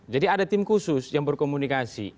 jadi ada tim khusus yang berkomunikasi